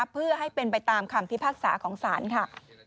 เพื่อให้เป็นไปตามคำพิพากษาของศาลค่ะ